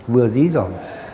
vừa dí dỏm